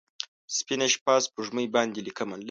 سپینه شپه، سپوږمۍ باندې لیکمه